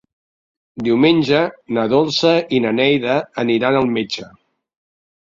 Diumenge na Dolça i na Neida aniran al metge.